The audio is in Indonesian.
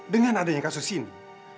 dengan adanya kasus ini